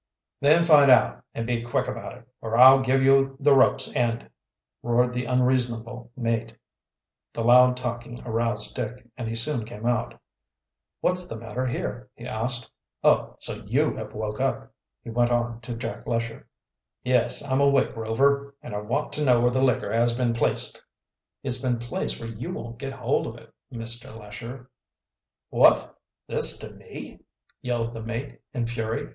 "Then find out, and be quick about it, or I'll give you the rope's end!" roared the unreasonable mate. The loud talking aroused Dick, and he soon came out. "What's the matter here?" he asked. "Oh, so you have woke up," he went on to Jack Lesher. "Yes, I'm awake, Rover. And I want to know where the liquor has been placed." "It's been placed where you won't get hold of it, Mr. Lesher." "What! This to me!" yelled the mate, in fury.